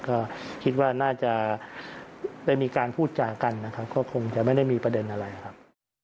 ก็คิดว่าน่าจะได้มีการพูดจากันนะครับก็คงจะไม่ได้มีประเด็นอะไรครับ